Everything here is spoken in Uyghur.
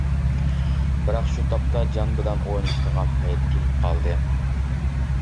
بىراق شۇ تاپتا جان بىلەن ئوينىشىدىغان پەيت كېلىپ قالدى.